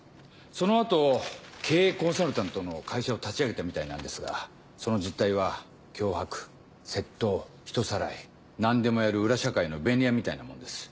その後経営コンサルタントの会社を立ち上げたみたいなんですがその実態は脅迫窃盗人さらい何でもやる裏社会の便利屋みたいなもんです。